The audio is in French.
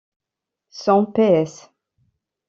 Son Ps.